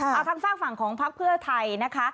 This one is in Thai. เอาทางฝากฝั่งของพักเพื่อไทยนะคะ